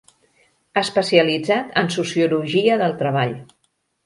Especialitzat en Sociologia del Treball.